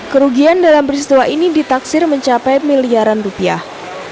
kerugian dalam peristiwa ini ditaksir mencapai miliaran rupiah